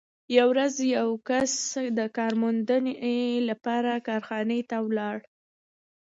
یوه ورځ یو کس د کار موندنې لپاره کارخانې ته ولاړ